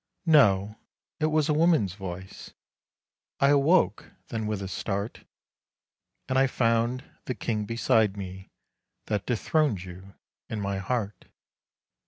No; it was a woman's voice; I awoke then with a start, And I found the king beside me that dethroned you in my heart.